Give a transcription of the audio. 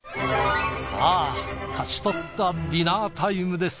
さあ勝ち取ったディナータイムです。